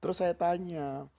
terus saya tanya